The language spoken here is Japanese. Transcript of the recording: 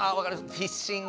フィッシング。